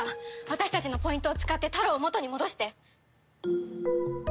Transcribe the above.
私たちのポイントを使ってタロウを元に戻して。